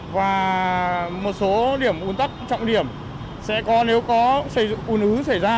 và một số điểm ung tắc trọng điểm sẽ có nếu có xây dựng ung ứng xảy ra